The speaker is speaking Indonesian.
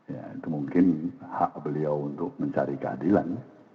ya itu mungkin hak beliau untuk mencari keadilan